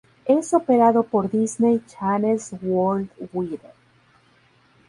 Es operado por Disney Channels Worldwide.